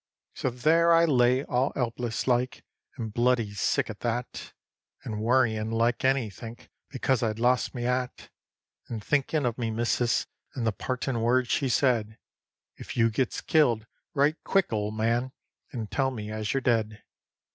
So there I lay all 'elpless like, and bloody sick at that, And worryin' like anythink, because I'd lost me 'at; And thinkin' of me missis, and the partin' words she said: "If you gets killed, write quick, ol' man, and tell me as you're dead."